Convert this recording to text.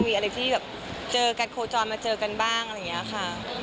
ไม่มีค่ะไม่ได้ง้อค่ะ